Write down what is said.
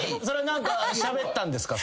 何かしゃべったんですか？